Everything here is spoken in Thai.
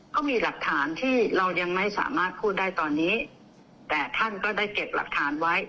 ก็มีหลักฐานที่เรายังไม่สามารถพูดได้ตอนนี้แต่ท่านก็ได้เก็บหลักฐานไว้